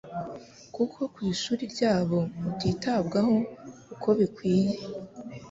kuko ku ishuri ryabo utitabwagaho uko bikwiye.